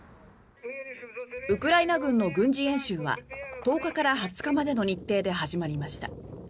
ウクライナ軍の軍事演習は１０日から２０日までの日程で始まりました。